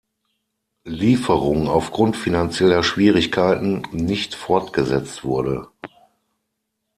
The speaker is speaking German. Lieferung aufgrund finanzieller Schwierigkeiten nicht fortgesetzt wurde.